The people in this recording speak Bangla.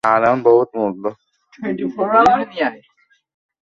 কিন্তু আমিরকে জেলে পাঠানোর বিপক্ষে আমার অনেক শক্ত কিছু যুক্তি আছে।